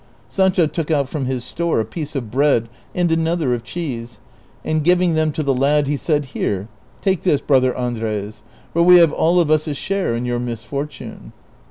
Sancho took out from his store a piece of bread and another of cheese, and giving them to the lad he said, " Here, take this, brother Andres, for we have all of us a share in your mis fortune."